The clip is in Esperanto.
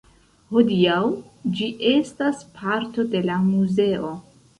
Hodiaŭ ĝi estas parto de la muzeo.